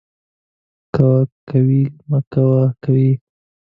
کوه ، کوئ ، مکوه ، مکوئ